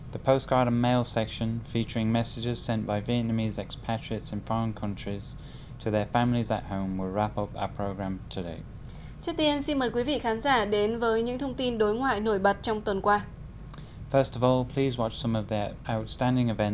trước tiên xin mời quý vị khán giả đến với những thông tin đối ngoại nổi bật trong tuần qua